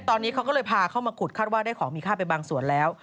ตอนนี้เขาก็เลยพาเข้ามาขุดคาดว่าได้ของมีค่าไปบางส่วนแล้ว